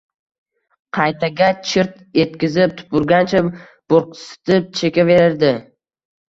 Qaytaga, chirt etkizib tupurgancha, burqsitib chekaverdi